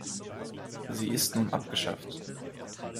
Sie ist nun abgeschafft.